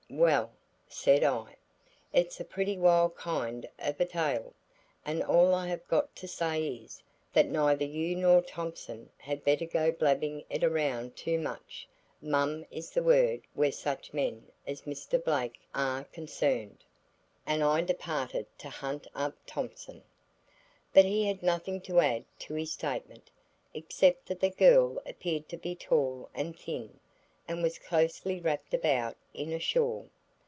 "Well," said I, "it's a pretty wild kind of a tale, and all I have got to say is, that neither you nor Thompson had better go blabbing it around too much. Mum is the word where such men as Mr. Blake are concerned." And I departed to hunt up Thompson. But he had nothing to add to his statement, except that the girl appeared to be tall and thin, and was closely wrapped about in a shawl.